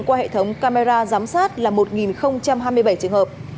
qua hệ thống camera giám sát là một hai mươi bảy trường hợp